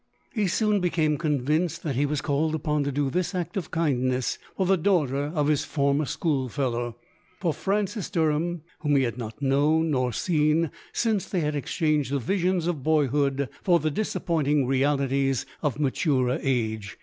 He suon became convinced that he was called upon to do this act of kindness for the daughter of his for mer school fellow — for Francis Derham, whom he had not known nor seen since they had ex changed the visions of boyhood for the disap pointing realities of maturer age.